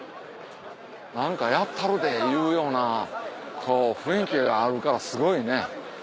何かやったるでいうような雰囲気があるからすごいね。